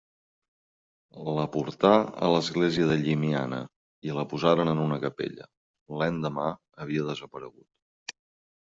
La portà a l'església de Llimiana, i la posaren en una capella; l'endemà, havia desaparegut.